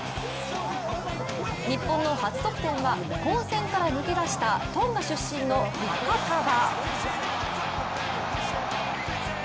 日本の初得点は混戦から抜け出した、トンガ出身のファカタヴァ